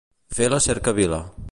Fer la cercavila.